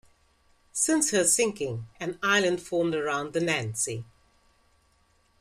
Since her sinking, an island formed around the "Nancy".